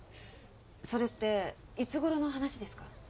それっていつ頃の話ですか？